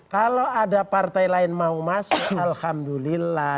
kalau ada partai lain mau masuk alhamdulillah